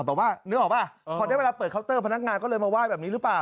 แต่ว่านึกออกป่ะพอได้เวลาเปิดเคาน์เตอร์พนักงานก็เลยมาไหว้แบบนี้หรือเปล่า